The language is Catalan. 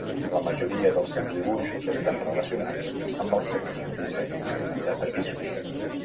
La majoria dels seus dibuixos estan relacionats amb els seus dissenys de tapissos.